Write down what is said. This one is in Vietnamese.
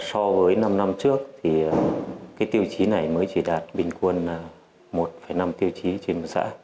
so với năm năm trước thì tiêu chí này mới chỉ đạt bình quân một năm tiêu chí trên một xã